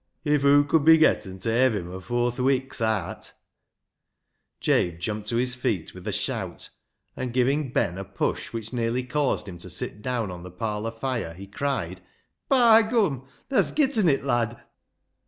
"If hoo could be getten ta hev him afoor th' wik'a aat "— Jabe jumped to his feet with a shout, and giving Ben a push which nearly caused him to sit down on the parlour fire, he cried —" By gum, tha's getten it, lad